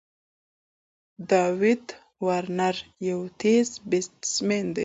داويد وارنر یو تېز بېټسمېن دئ.